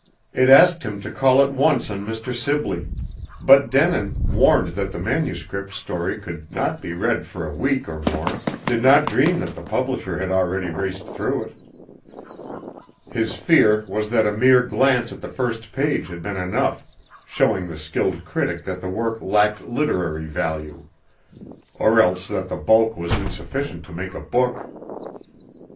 It asked him to call at once on Mr. Sibley; but Denin, warned that the manuscript story could not be read for a week or more, did not dream that the publisher had already raced through it. His fear was that a mere glance at the first page had been enough, showing the skilled critic that the work lacked literary value; or else that the bulk was insufficient to make a book. Mr.